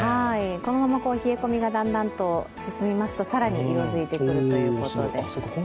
このまま冷え込みがだんだんと進みますと更に色づいてくるということで。